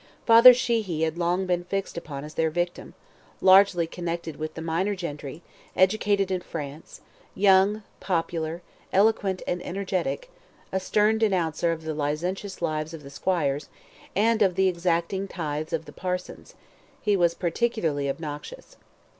Father Sheehy had long been fixed upon as their victim: largely connected with the minor gentry, educated in France, young, popular, eloquent and energetic, a stern denouncer of the licentious lives of the squires, and of the exacting tithes of the parsons, he was particularly obnoxious.